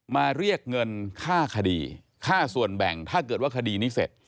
เรียกเงินค่าคดีค่าส่วนแบ่งถ้าเกิดว่าคดีนี้เสร็จ